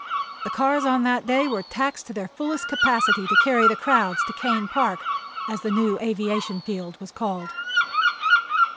The cars on that day were taxed to their fullest capacity to carry the crowds to Kane Park, as the new aviation field was called.